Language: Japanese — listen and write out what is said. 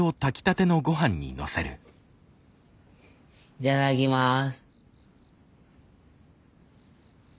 いただきます。